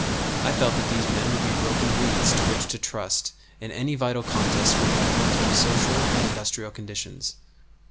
I felt that these men would be broken reeds to which to trust in any vital contest for betterment of social and industrial conditions.